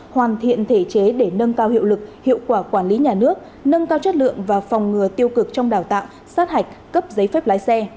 hoàn thiện thể chế để nâng cao hiệu lực hiệu quả quản lý nhà nước nâng cao chất lượng và phòng ngừa tiêu cực trong đào tạo sát hạch cấp giấy phép lái xe